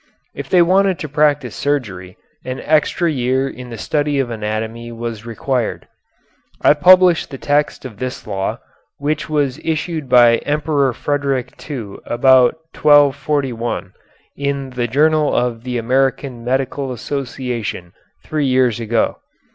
If they wanted to practise surgery, an extra year in the study of anatomy was required. I published the text of this law, which was issued by the Emperor Frederick II about 1241, in the Journal of the American Medical Association three years ago.